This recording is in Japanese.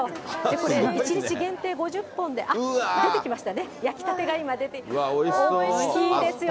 これ、１日限定５０本で、あっ、出てきましたね、焼きたてが今、出てきうわ、おいしそう。